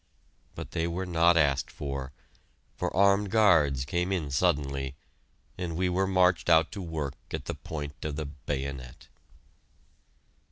But they were not asked for, for armed guards came in suddenly and we were marched out to work at the point of the bayonet.